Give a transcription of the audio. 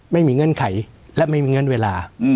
เงื่อนไขและไม่มีเงื่อนเวลา